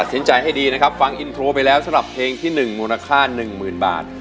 สินใจให้ดีนะครับฟังอินโทรไปแล้วสำหรับเพลงที่๑มูลค่า๑๐๐๐บาท